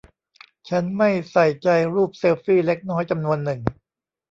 ฉันไม่ใส่ใจรูปเซลฟี่เล็กน้อยจำนวนหนึ่ง